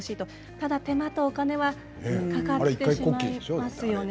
ただ手間とお金はかかってしまいます。